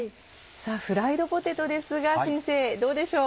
さぁフライドポテトですが先生どうでしょう？